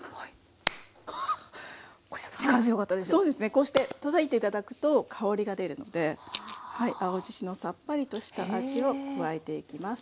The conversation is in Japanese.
こうしてたたいて頂くと香りが出るので青じそのさっぱりとした味を加えていきます。